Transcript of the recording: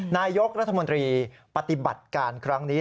นายกรัฐมนตรีปฏิบัติการครั้งนี้